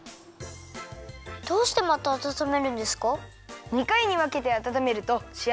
どうしてまたあたためるんですか？